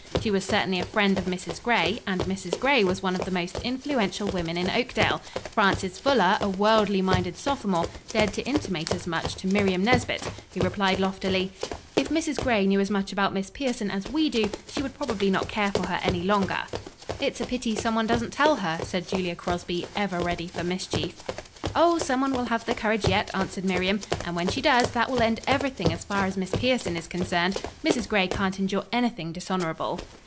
She was certainly a friend of Mrs. Gray, and Mrs. Gray was one of the most influential women in Oakdale. Frances Fuller, a worldly minded sophomore, dared to intimate as much to Miriam Nesbit, who replied loftily: "If Mrs. Gray knew as much about Miss Pierson as we do, she would probably not care for her any longer." "It's a pity some one doesn't tell her," said Julia Crosby, ever ready for mischief. "Oh, some one will have the courage yet," answered Miriam, "and when she does, that will end everything as far as Miss Pierson is concerned. Mrs. Gray can't endure anything dishonorable."